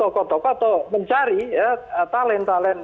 toko toko atau mencari talent talent